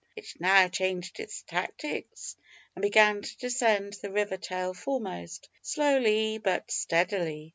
It now changed its tactics, and began to descend the river tail foremost, slowly, but steadily.